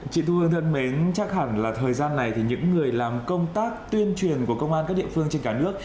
chị thu hương thân mến chắc hẳn là thời gian này thì những người làm công tác tuyên truyền của công an các địa phương trên cả nước